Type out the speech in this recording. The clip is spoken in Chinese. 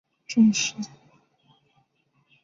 生母孝明皇后郑氏。